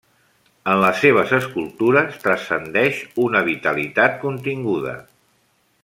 En les seves escultures transcendeix una vitalitat continguda.